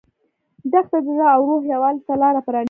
دښته د زړه او روح یووالي ته لاره پرانیزي.